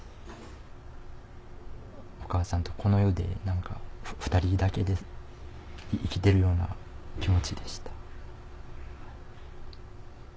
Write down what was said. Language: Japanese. お母さんとこの世で２人だけで生きてるような気持ちでした。